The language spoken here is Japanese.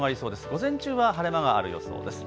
午前中は晴れ間がある予想です。